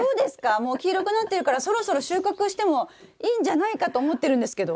もう黄色くなってるからそろそろ収穫してもいいんじゃないかと思ってるんですけど。